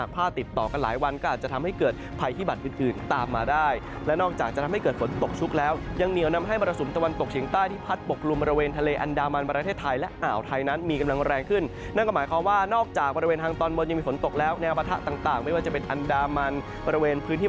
ติดต่อกันหลายวันก็อาจจะทำให้เกิดภัยพิบัตรอื่นตามมาได้และนอกจากจะทำให้เกิดฝนตกชุกแล้วยังเหนียวนำให้มรสุมตะวันตกเฉียงใต้ที่พัดปกลุ่มบริเวณทะเลอันดามันประเทศไทยและอ่าวไทยนั้นมีกำลังแรงขึ้นนั่นก็หมายความว่านอกจากบริเวณทางตอนบนยังมีฝนตกแล้วแนวปะทะต่างไม่ว่าจะเป็นอันดามันบริเวณพื้นที่